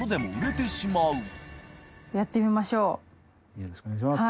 よろしくお願いします。